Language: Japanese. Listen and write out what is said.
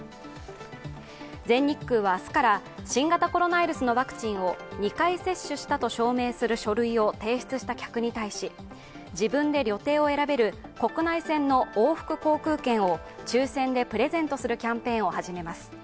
全日空は明日から、新型コロナウイルスのワクチンを２回接種したと証明する書類を提出した客に対し、自分で旅程を選べる国内線の往復航空券を抽選でプレゼントするキャンペーンを始めます。